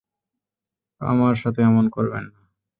আমার সাথে এমন করবেন না।